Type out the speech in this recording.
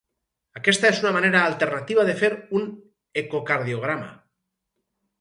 Aquesta és una manera alternativa de fer un ecocardiograma.